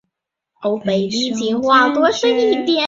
书面使用拉丁字母。